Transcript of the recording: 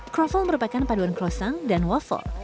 kroffel merupakan paduan croissant dan waffle